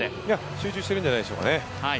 集中してるんじゃないでしょうかね。